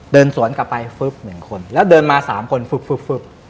เดินสวนกลับไปฟึ๊บหนึ่งคนแล้วเดินมา๓คนฟึบ